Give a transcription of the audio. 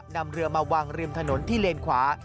นำเรือมาวางริมถนนที่เลนขวา